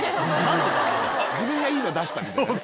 自分がいいの出したみたいなね。